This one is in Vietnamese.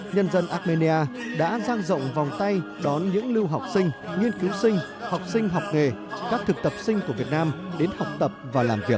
nhân dân armenia đã giang rộng vòng tay đón những lưu học sinh nghiên cứu sinh học sinh học nghề các thực tập sinh của việt nam đến học tập và làm việc